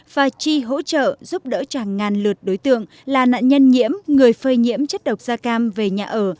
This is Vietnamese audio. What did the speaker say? và chi hỗ trợ giúp đỡ tràng ngàn lượt đối tượng là nạn nhân nhiễm người phơi nhiễm chất độc da cam về nhà ở